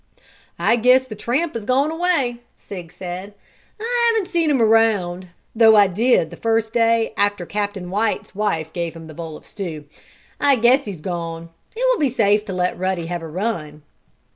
"I guess the tramp has gone away," Sig said. "I haven't seen him around, though I did the first day after Captain White's wife gave him the bowl of stew. I guess he's gone. It will be safe to let Ruddy have a run."